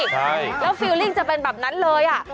แล้วความรู้สึกจะเป็นแบบนั้นเลย